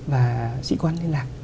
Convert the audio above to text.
và sĩ quan liên lạc